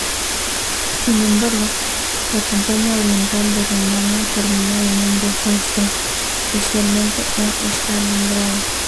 Sin embargo, la campaña oriental de Rumania terminó en un desastre, especialmente en Stalingrado.